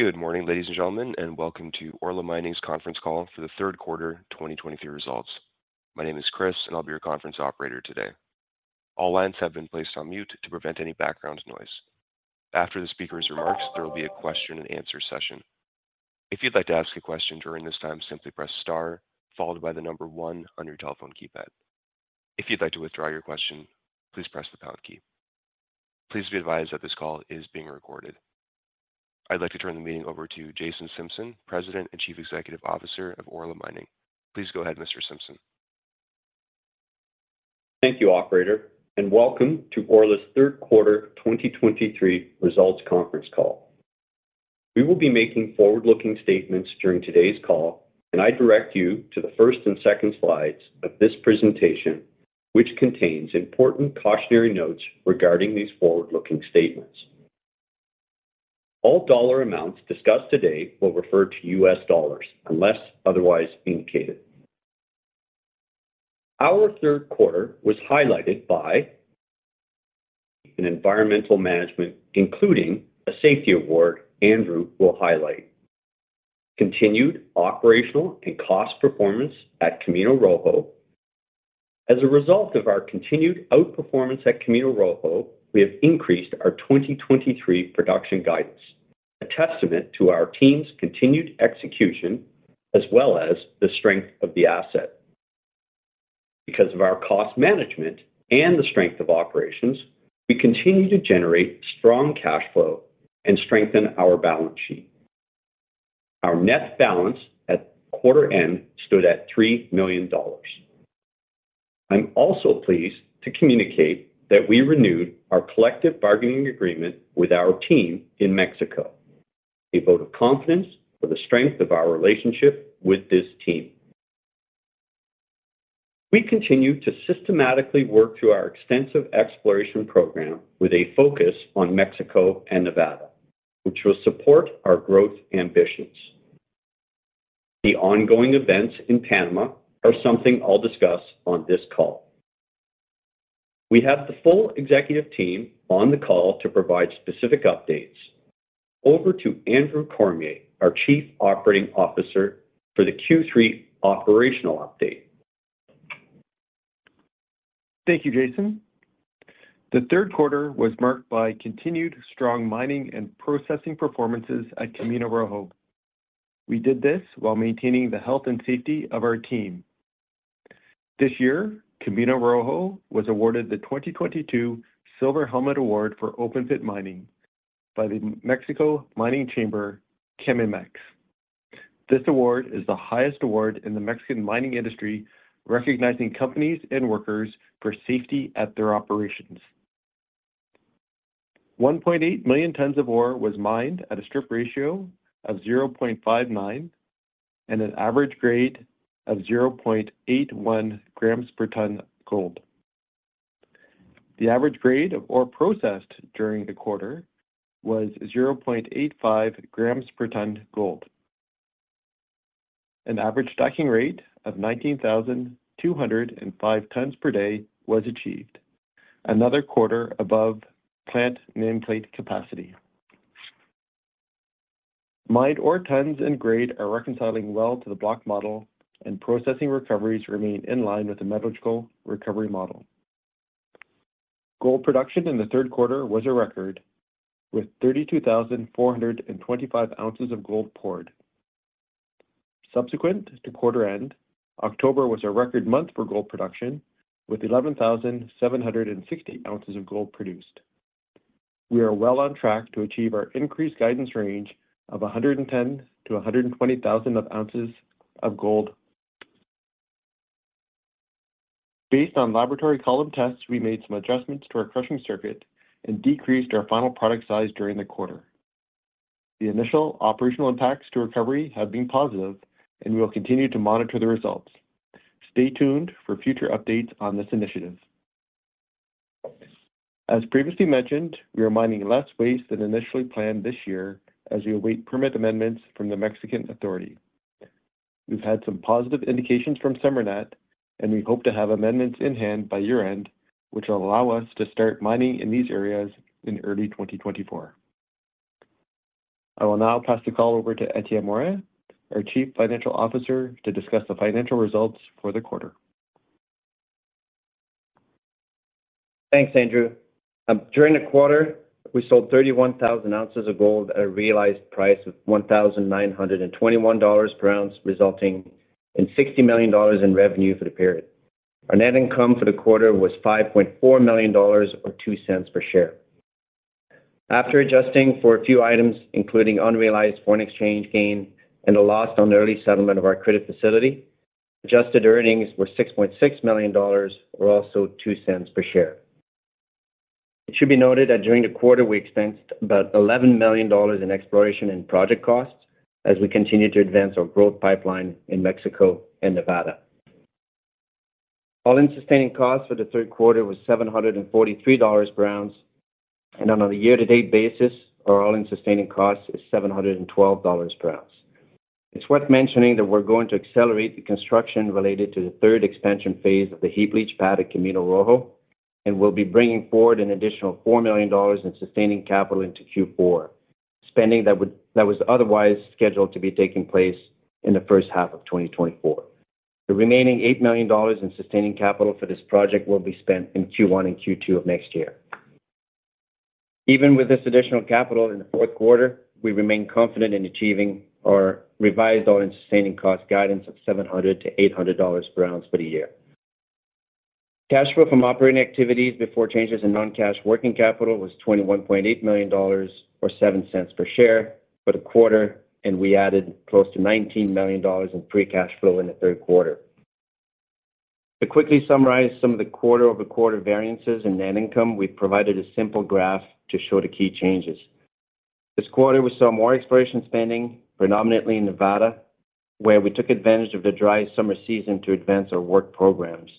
Good morning, ladies and gentlemen, and welcome to Orla Mining's conference call for the third quarter 2023 results. My name is Chris, and I'll be your conference operator today. All lines have been placed on mute to prevent any background noise. After the speaker's remarks, there will be a question and answer session. If you'd like to ask a question during this time, simply press Star followed by the number 1 on your telephone keypad. If you'd like to withdraw your question, please press the pound key. Please be advised that this call is being recorded. I'd like to turn the meeting over to Jason Simpson, President and Chief Executive Officer of Orla Mining. Please go ahead, Mr. Simpson. Thank you, operator, and welcome to Orla's third quarter 2023 results conference call. We will be making forward-looking statements during today's call, and I direct you to the first and second slides of this presentation, which contains important cautionary notes regarding these forward-looking statements. All dollar amounts discussed today will refer to U.S. dollars, unless otherwise indicated. Our third quarter was highlighted by an environmental management, including a safety award Andrew will highlight. Continued operational and cost performance at Camino Rojo. As a result of our continued outperformance at Camino Rojo, we have increased our 2023 production guidance, a testament to our team's continued execution, as well as the strength of the asset. Because of our cost management and the strength of operations, we continue to generate strong cash flow and strengthen our balance sheet. Our net balance at quarter end stood at $3 million. I'm also pleased to communicate that we renewed our collective bargaining agreement with our team in Mexico, a vote of confidence for the strength of our relationship with this team. We continue to systematically work through our extensive exploration program with a focus on Mexico and Nevada, which will support our growth ambitions. The ongoing events in Panama are something I'll discuss on this call. We have the full executive team on the call to provide specific updates. Over to Andrew Cormier, our Chief Operating Officer, for the Q3 operational update. Thank you, Jason. The third quarter was marked by continued strong mining and processing performances at Camino Rojo. We did this while maintaining the health and safety of our team. This year, Camino Rojo was awarded the 2022 Silver Helmet Award for open-pit mining by the Mexico Mining Chamber, CAMIMEX. This award is the highest award in the Mexican mining industry, recognizing companies and workers for safety at their operations. 1.8 million tons of ore was mined at a strip ratio of 0.59 and an average grade of 0.81 grams per ton gold. The average grade of ore processed during the quarter was 0.85 grams per ton gold. An average stacking rate of 19,205 tons per day was achieved, another quarter above plant nameplate capacity. Mined ore tons and grade are reconciling well to the block model, and processing recoveries remain in line with the metallurgical recovery model. Gold production in the third quarter was a record, with 32,425 ounces of gold poured. Subsequent to quarter end, October was a record month for gold production, with 11,760 ounces of gold produced. We are well on track to achieve our increased guidance range of 110,000-120,000 ounces of gold. Based on laboratory column tests, we made some adjustments to our crushing circuit and decreased our final product size during the quarter. The initial operational impacts to recovery have been positive, and we will continue to monitor the results. Stay tuned for future updates on this initiative. As previously mentioned, we are mining less waste than initially planned this year as we await permit amendments from the Mexican authority. We've had some positive indications from SEMARNAT, and we hope to have amendments in hand by year-end, which will allow us to start mining in these areas in early 2024. I will now pass the call over to Etienne Morin, our Chief Financial Officer, to discuss the financial results for the quarter. Thanks, Andrew. During the quarter, we sold 31,000 ounces of gold at a realized price of $1,921 per ounce, resulting in $60 million in revenue for the period. Our net income for the quarter was $5.4 million or $0.02 per share. After adjusting for a few items, including unrealized foreign exchange gain and a loss on the early settlement of our credit facility, adjusted earnings were $6.6 million, or also $0.02 per share. It should be noted that during the quarter, we expensed about $11 million in exploration and project costs as we continue to advance our growth pipeline in Mexico and Nevada. All-in sustaining costs for the third quarter was $743 per ounce, and on a year-to-date basis, our all-in sustaining cost is $712 per ounce. It's worth mentioning that we're going to accelerate the construction related to the third expansion phase of the heap leach pad at Camino Rojo, and we'll be bringing forward an additional $4 million in sustaining capital into Q4, spending that was otherwise scheduled to be taking place in the first half of 2024. The remaining $8 million in sustaining capital for this project will be spent in Q1 and Q2 of next year. Even with this additional capital in the fourth quarter, we remain confident in achieving our revised all-in sustaining cost guidance of $700-$800 per ounce for the year. Cash flow from operating activities before changes in non-cash working capital was $21.8 million or $0.07 per share for the quarter, and we added close to $19 million in free cash flow in the third quarter. To quickly summarize some of the quarter-over-quarter variances in net income, we've provided a simple graph to show the key changes. This quarter, we saw more exploration spending, predominantly in Nevada, where we took advantage of the dry summer season to advance our work programs.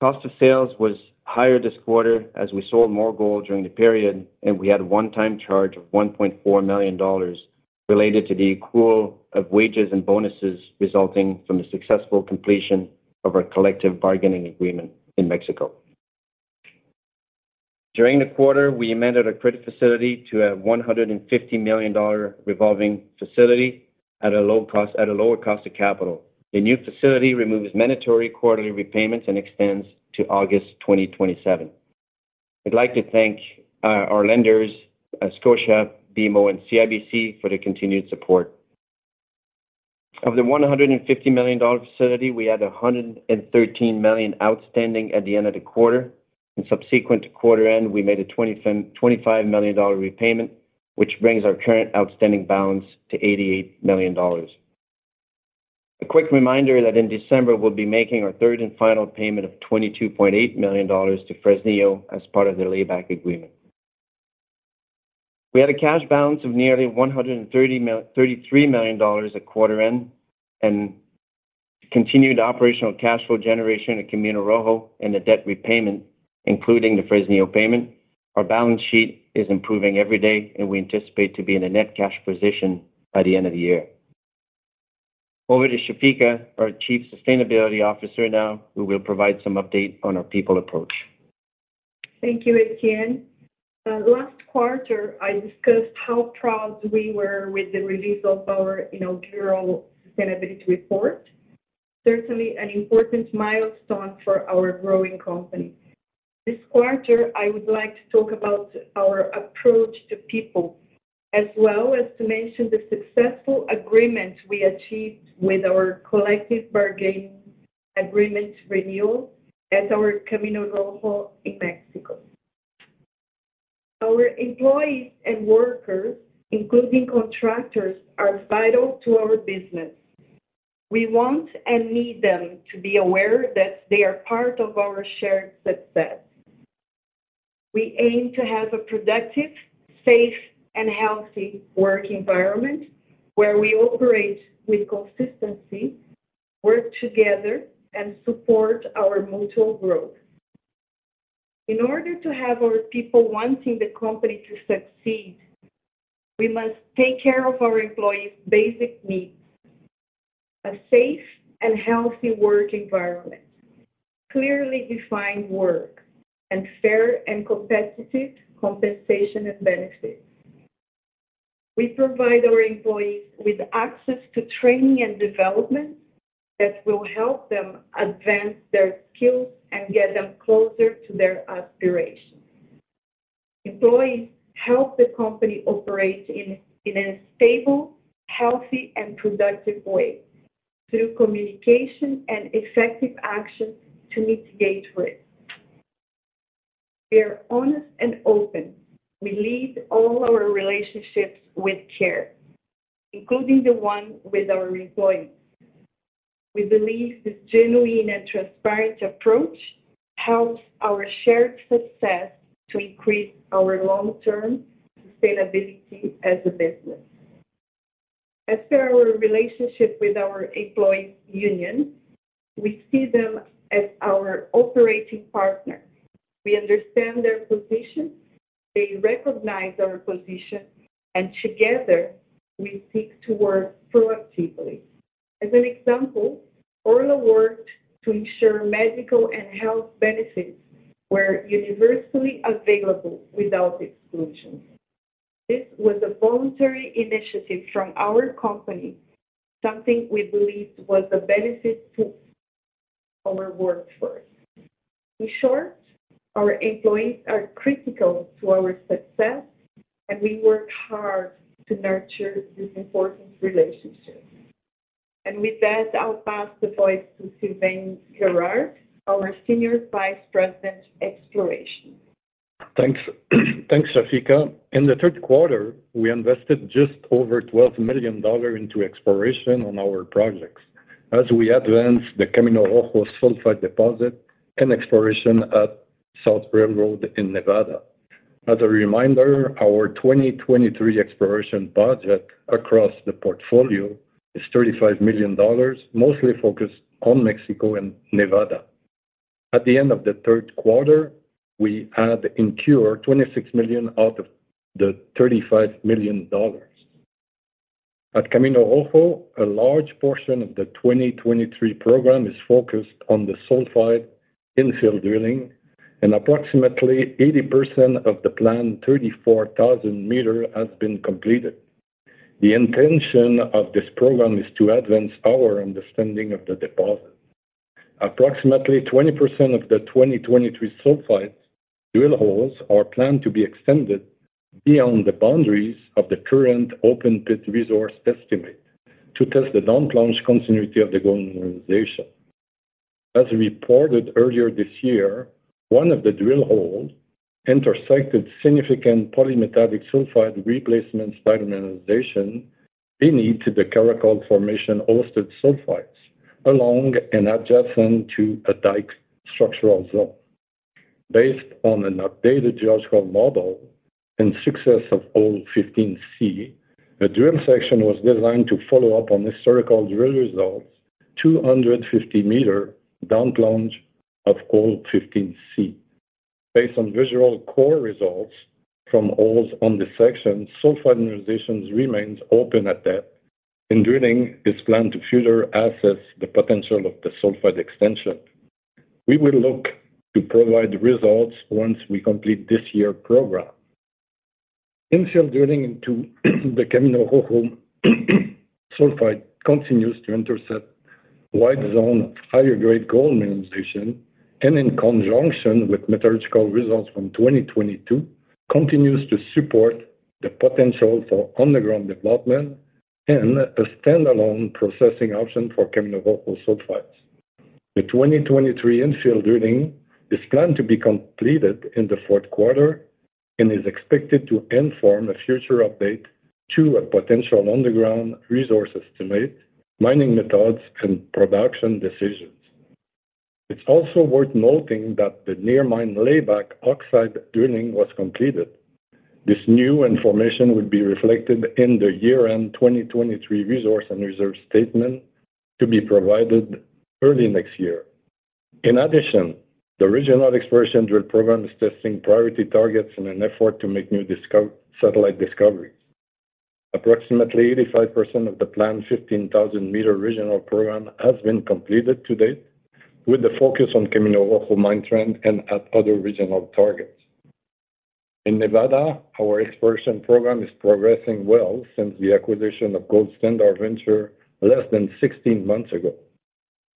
Cost of sales was higher this quarter as we sold more gold during the period, and we had a one-time charge of $1.4 million related to the accrual of wages and bonuses resulting from the successful completion of our collective bargaining agreement in Mexico. During the quarter, we amended our credit facility to a $150 million revolving facility at a low cost—at a lower cost of capital. The new facility removes mandatory quarterly repayments and extends to August 2027. I'd like to thank our lenders, Scotia, BMO, and CIBC, for their continued support. Of the $150 million facility, we had $113 million outstanding at the end of the quarter, and subsequent to quarter end, we made a $25 million repayment, which brings our current outstanding balance to $88 million. A quick reminder that in December, we'll be making our third and final payment of $22.8 million to Fresnillo as part of their layback agreement. We had a cash balance of nearly $133 million at quarter end, and continued operational cash flow generation at Camino Rojo and the debt repayment, including the Fresnillo payment. Our balance sheet is improving every day, and we anticipate to be in a net cash position by the end of the year. Over to Chafika, our Chief Sustainability Officer now, who will provide some update on our people approach. Thank you, Etienne. Last quarter, I discussed how proud we were with the release of our inaugural sustainability report, certainly an important milestone for our growing company. This quarter, I would like to talk about our approach to people, as well as to mention the successful agreement we achieved with our collective bargaining agreement renewal at our Camino Rojo in Mexico. Our employees and workers, including contractors, are vital to our business. We want and need them to be aware that they are part of our shared success. We aim to have a productive, safe, and healthy work environment where we operate with consistency, work together, and support our mutual growth. In order to have our people wanting the company to succeed, we must take care of our employees' basic needs: a safe and healthy work environment, clearly defined work, and fair and competitive compensation and benefits. We provide our employees with access to training and development that will help them advance their skills and get them closer to their aspirations. Employees help the company operate in a stable, healthy, and productive way through communication and effective action to mitigate risk. We are honest and open. We lead all our relationships with care, including the one with our employees. We believe this genuine and transparent approach helps our shared success to increase our long-term sustainability as a business. As for our relationship with our employees' union, we see them as our operating partner. We understand their position, they recognize our position, and together, we seek to work proactively. As an example, Orla worked to ensure medical and health benefits were universally available without exclusions. This was a voluntary initiative from our company, something we believed was a benefit to our workforce. In short, our employees are critical to our success, and we work hard to nurture this important relationship. And with that, I'll pass the voice to Sylvain Girard, our Senior Vice President, Exploration. Thanks. Thanks, Chafika. In the third quarter, we invested just over $12 million into exploration on our projects as we advanced the Camino Rojo sulfide deposit and exploration at South Railroad in Nevada. As a reminder, our 2023 exploration budget across the portfolio is $35 million, mostly focused on Mexico and Nevada. At the end of the third quarter, we had incurred $26 million out of the $35 million. At Camino Rojo, a large portion of the 2023 program is focused on the sulfide infill drilling, and approximately 80% of the planned 34,000 meters has been completed. The intention of this program is to advance our understanding of the deposit. Approximately 20% of the 2023 sulfide drill holes are planned to be extended beyond the boundaries of the current open pit resource estimate to test the down-plunge continuity of the gold mineralization. As reported earlier this year, one of the drill holes intersected significant polymetallic sulfide replacement style mineralization beneath the Caracol Formation hosted sulfides, along and adjacent to a dike structural zone. Based on an updated geological model and success of hole 15C, a drill section was designed to follow up on historical drill results, 250-meter down-plunge of hole 15C. Based on visual core results from holes on the section, sulfide mineralization remains open at depth, and drilling is planned to further assess the potential of the sulfide extension. We will look to provide results once we complete this year's program. Infill drilling into the Camino Rojo sulfide continues to intercept wide zone of higher grade gold mineralization, and in conjunction with metallurgical results from 2022, continues to support the potential for underground development and a standalone processing option for Camino Rojo sulfides. The 2023 infill drilling is planned to be completed in the fourth quarter and is expected to inform a future update to a potential underground resource estimate, mining methods, and production decisions. It's also worth noting that the near mine layback oxide drilling was completed. This new information will be reflected in the year-end 2023 resource and reserve statement to be provided early next year. In addition, the regional exploration drill program is testing priority targets in an effort to make new satellite discoveries. Approximately 85% of the planned 15,000-meter regional program has been completed to date, with the focus on Camino Rojo mine trend and at other regional targets. In Nevada, our exploration program is progressing well since the acquisition of Gold Standard Ventures less than 16 months ago.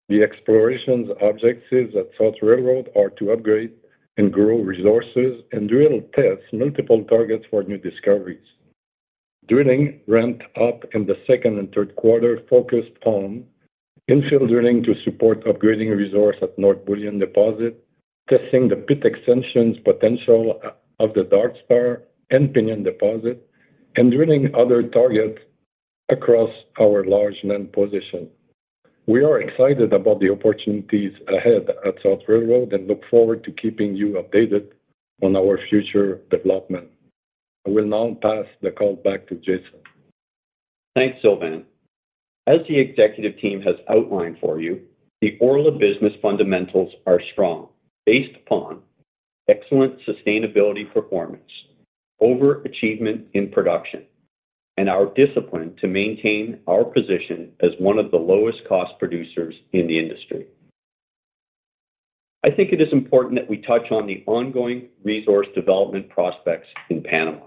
The exploration's objectives at South Railroad are to upgrade and grow resources and drill test multiple targets for new discoveries. Drilling ramped up in the second and third quarter, focused on infill drilling to support upgrading resource at North Bullion deposit, testing the pit extensions potential of the Dark Star and Pinion deposit, and drilling other targets across our large land position. We are excited about the opportunities ahead at South Railroad and look forward to keeping you updated on our future development. I will now pass the call back to Jason. Thanks, Sylvain. As the executive team has outlined for you, the Orla business fundamentals are strong, based upon excellent sustainability performance, over-achievement in production, and our discipline to maintain our position as one of the lowest cost producers in the industry. I think it is important that we touch on the ongoing resource development prospects in Panama.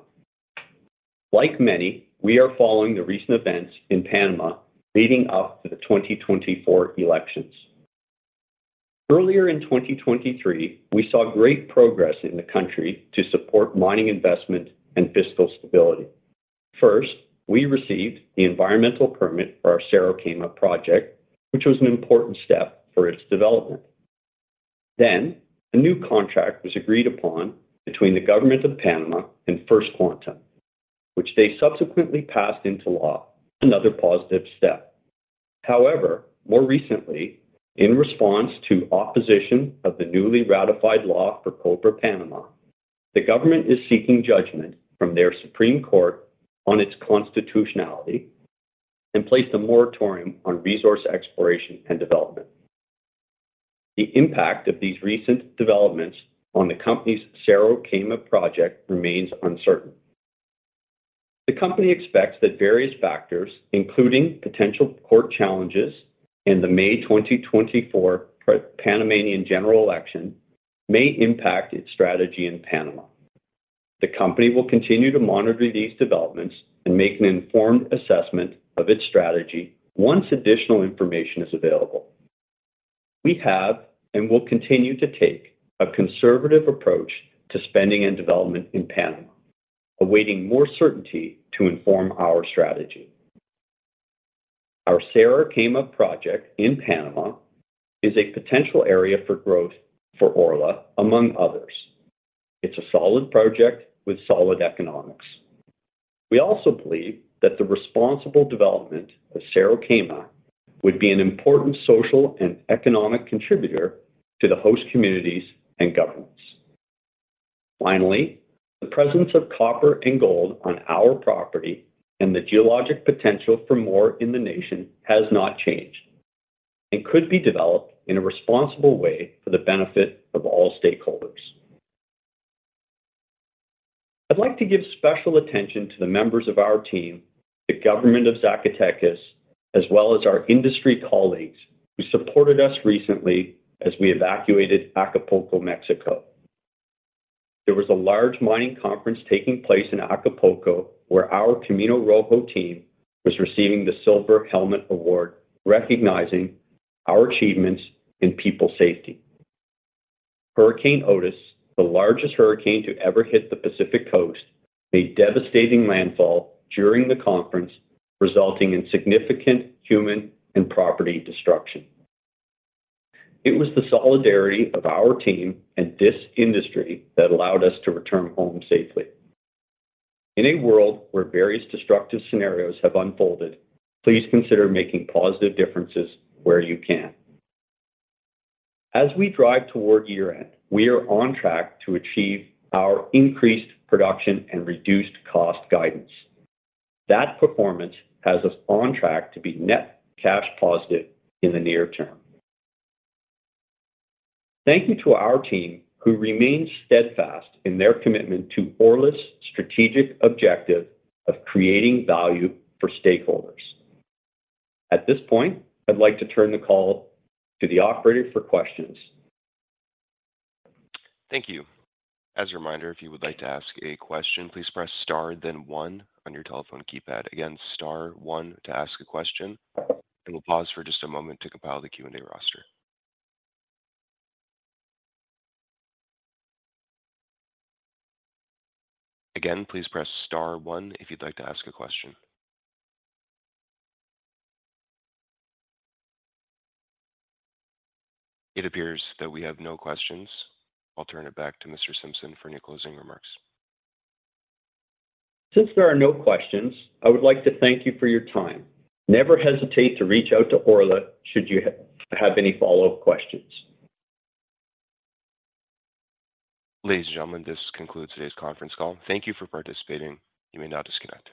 Like many, we are following the recent events in Panama leading up to the 2024 elections. Earlier in 2023, we saw great progress in the country to support mining investment and fiscal stability. First, we received the environmental permit for our Cerro Quema project, which was an important step for its development. Then, a new contract was agreed upon between the government of Panama and First Quantum, which they subsequently passed into law, another positive step. However, more recently, in response to opposition of the newly ratified law for Cobre Panamá, the government is seeking judgment from their Supreme Court on its constitutionality and placed a moratorium on resource exploration and development. The impact of these recent developments on the company's Cerro Quema project remains uncertain. The company expects that various factors, including potential court challenges in the May 2024 Panamanian general election, may impact its strategy in Panama. The company will continue to monitor these developments and make an informed assessment of its strategy once additional information is available. We have, and will continue to take, a conservative approach to spending and development in Panama, awaiting more certainty to inform our strategy. Our Cerro Quema project in Panama is a potential area for growth for Orla, among others. It's a solid project with solid economics. We also believe that the responsible development of Cerro Quema would be an important social and economic contributor to the host communities and governments. Finally, the presence of copper and gold on our property and the geologic potential for more in the nation has not changed, and could be developed in a responsible way for the benefit of all stakeholders. I'd like to give special attention to the members of our team, the government of Zacatecas, as well as our industry colleagues, who supported us recently as we evacuated Acapulco, Mexico. There was a large mining conference taking place in Acapulco, where our Camino Rojo team was receiving the Silver Helmet Award, recognizing our achievements in people safety. Hurricane Otis, the largest hurricane to ever hit the Pacific Coast, made devastating landfall during the conference, resulting in significant human and property destruction. It was the solidarity of our team and this industry that allowed us to return home safely. In a world where various destructive scenarios have unfolded, please consider making positive differences where you can. As we drive toward year-end, we are on track to achieve our increased production and reduced cost guidance. That performance has us on track to be net cash positive in the near term. Thank you to our team, who remains steadfast in their commitment to Orla's strategic objective of creating value for stakeholders. At this point, I'd like to turn the call to the operator for questions. Thank you. As a reminder, if you would like to ask a question, please press star then one on your telephone keypad. Again, star one to ask a question. We will pause for just a moment to compile the Q&A roster. Again, please press star one if you'd like to ask a question. It appears that we have no questions. I'll turn it back to Mr. Simpson for any closing remarks. Since there are no questions, I would like to thank you for your time. Never hesitate to reach out to Orla should you have any follow-up questions. Ladies and gentlemen, this concludes today's conference call. Thank you for participating. You may now disconnect.